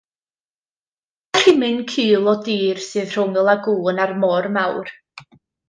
Dim ond rhimyn cul o dir sydd rhwng y lagŵn a'r môr mawr.